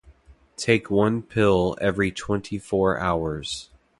Take one pill every twenty-four hours.